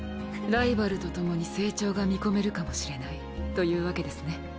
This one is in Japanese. ライバルとともに成長が見込めるかもしれないというわけですね。